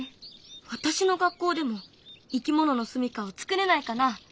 私の学校でもいきもののすみかをつくれないかな？